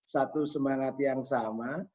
satu semangat yang sama